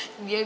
si om dudung